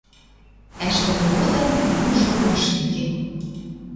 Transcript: Ӓштӹм годым — вуйжы ошем кен